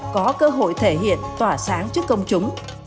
có cơ hội thể hiện tỏa sáng trước công chúng